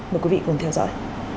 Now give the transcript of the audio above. mời quý vị cùng theo dõi